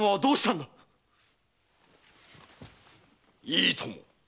⁉いいとも。